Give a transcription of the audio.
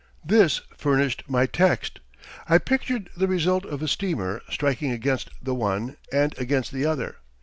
This furnished my text. I pictured the result of a steamer striking against the one and against the other.